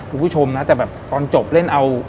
คุณผู้ชมนะแต่แบบตอนจบเล่นเอา